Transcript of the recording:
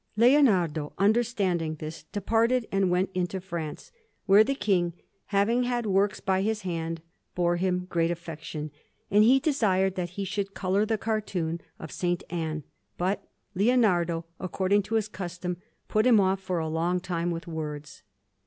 Leonardo, understanding this, departed and went into France, where the King, having had works by his hand, bore him great affection; and he desired that he should colour the cartoon of S. Anne, but Leonardo, according to his custom, put him off for a long time with words.